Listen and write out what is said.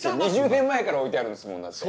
２０年前から置いてあるんですもんだって。